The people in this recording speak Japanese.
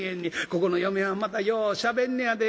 ここの嫁はんまたようしゃべんのやで。